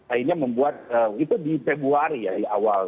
akhirnya membuat itu di februari ya di awal